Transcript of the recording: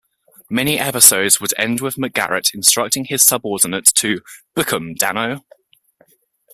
Many episodes would end with McGarrett instructing his subordinate to Book 'em, Danno!